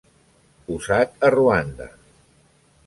Usat a Ruanda.